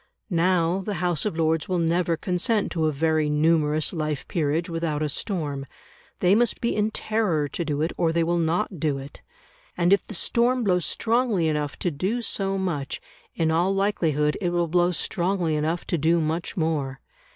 Now the House of Lords will never consent to a very numerous life peerage without a storm; they must be in terror to do it, or they will not do it. And if the storm blows strongly enough to do so much, in all likelihood it will blow strongly enough to do much more.